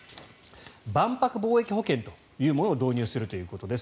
万博貿易保険というものを導入するということです。